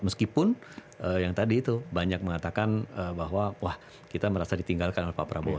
meskipun yang tadi itu banyak mengatakan bahwa wah kita merasa ditinggalkan oleh pak prabowo